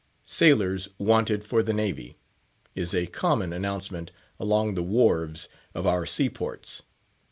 "Sailors wanted for the Navy" is a common announcement along the wharves of our sea ports.